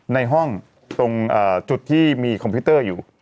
ในห้องตรงจุดที่มีคอมพิวเตอร์อยู่